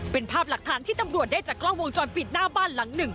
เป็นภาพหลักฐานที่ตำรวจได้จากกล้องวงจรปิดหน้าบ้านหลังหนึ่ง